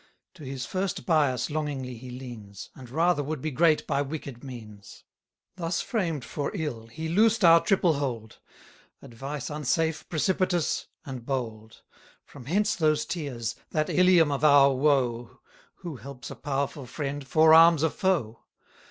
To his first bias longingly he leans; And rather would be great by wicked means. Thus framed for ill, he loosed our triple hold; Advice unsafe, precipitous, and bold. From hence those tears! that Ilium of our woe! Who helps a powerful friend, forearms a foe.